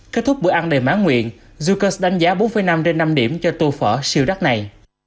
kết thúc bữa ăn đầy mãn nguyện zucas đánh giá bốn năm năm điểm cho tô phở siêu đắt này